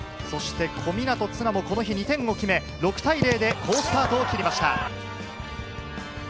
そして小湊絆もこの日２点を決め、６対０で好スタートを切りました。